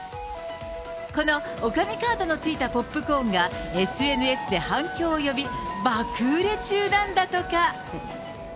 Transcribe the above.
この女将カードのついたポップコーンがＳＮＳで反響を呼び、爆売れ中なんだとか。